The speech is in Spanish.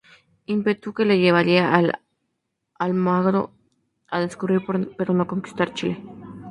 Ímpetu que le llevaría a Almagro a descubrir pero no conquistar Chile.